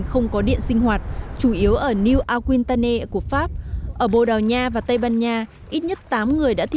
thông tin sẽ có trong cụm tin vắn ngay sau đây